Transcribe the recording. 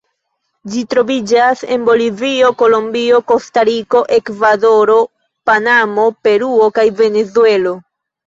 Ĝi troviĝas en Bolivio, Kolombio, Kostariko, Ekvadoro, Panamo, Peruo kaj Venezuelo.